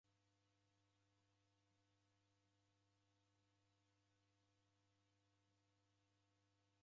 W'abunge w'abonya kazi kwa ngelo imweri ya miaka misanu.